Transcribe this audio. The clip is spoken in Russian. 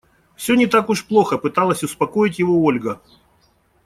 «Всё не так уж плохо», - пыталась успокоить его Ольга.